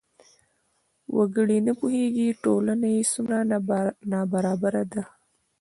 وګړي نه پوهېږي ټولنه یې څومره نابرابره ده.